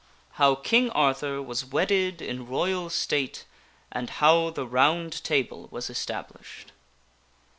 How King Arthur Was Wedded in Royal State and How the Round Table Was Established.